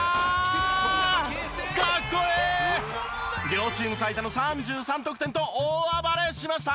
両チーム最多の３３得点と大暴れしました。